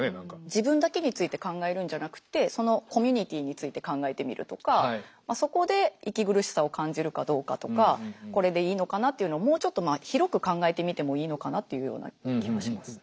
自分だけについて考えるんじゃなくってそのコミュニティーについて考えてみるとかそこで息苦しさを感じるかどうかとかこれでいいのかなっていうのをもうちょっと広く考えてみてもいいのかなっていうような気はします。